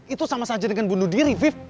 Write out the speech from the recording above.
itu sama saja dengan bunuh diri